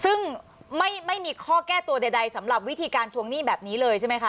ซึ่งไม่มีข้อแก้ตัวใดสำหรับวิธีการทวงหนี้แบบนี้เลยใช่ไหมคะ